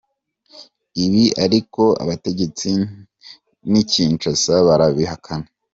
Ibi ariko abategetsi n’i Kinshasa barabihakana.